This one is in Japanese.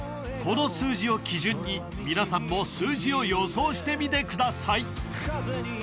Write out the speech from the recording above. この数字を基準に皆さんも数字を予想してみてください